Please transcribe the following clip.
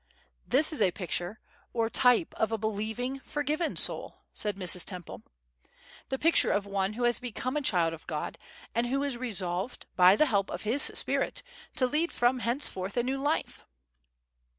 "This is a picture or type of a believing, forgiven soul," said Mrs. Temple, "the picture of one who has become a child of God, and who is resolved, by the help of His Spirit, to lead from henceforth a new life."